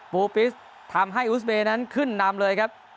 ปูปิสทำให้อุสเบย์นั้นขึ้นนำเลยครับ